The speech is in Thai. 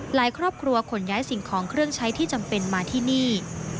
ครอบครัวขนย้ายสิ่งของเครื่องใช้ที่จำเป็นมาที่นี่